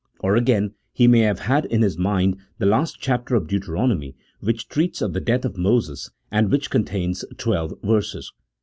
Or again, he may have had in his mind the last chapter of Deutero nomy which treats of the death of Moses, and which con tains twelve verses.